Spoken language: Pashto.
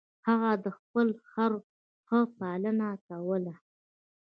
هغه د خپل خر ښه پالنه کوله.